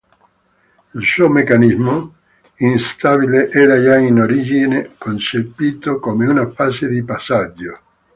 Il suo meccanismo, instabile, era già in origine concepito come una fase di passaggio.